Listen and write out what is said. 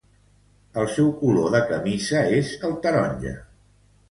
El seu color de camisa és el taronja.